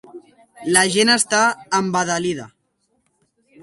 La gent està embadalida.